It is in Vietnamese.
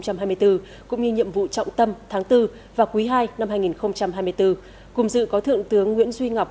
cũng như nhiệm vụ trọng tâm tháng bốn và quý ii năm hai nghìn hai mươi bốn cùng dự có thượng tướng nguyễn duy ngọc